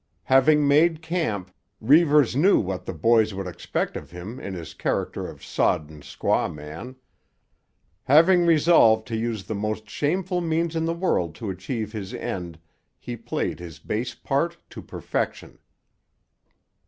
Having made camp, Reivers knew what the boys would expect of him in his character of sodden squaw man. Having resolved to use the most shameful means in the world to achieve his end, he played his base part to perfection.